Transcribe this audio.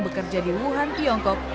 bekerja di wuhan tiongkok